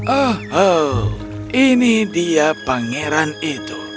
oh ini dia pangeran itu